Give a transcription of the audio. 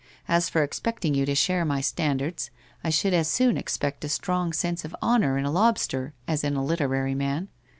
As for expecting you to share my stand ards, I should as soon expect a strong sense of honour in a lobster, as in a literary man.